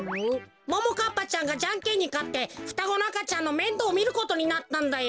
ももかっぱちゃんがじゃんけんにかってふたごのあかちゃんのめんどうみることになったんだよ。